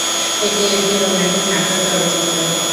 এটি একটি রোমান্টিক নাট্য চলচ্চিত্র।